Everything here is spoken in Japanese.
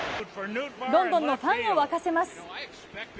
ロンドンのファンを沸かせます。